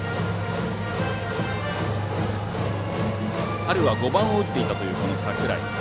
春は５番を打っていたという櫻井。